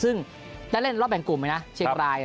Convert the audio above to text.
ซึ่งได้เล่นรอบแบ่งกลุ่มเลยนะเชียงราย